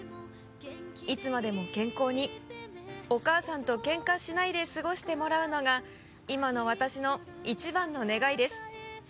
「いつまでも健康にお母さんとケンカしないで過ごしてもらうのがいまの私の一番の願いです」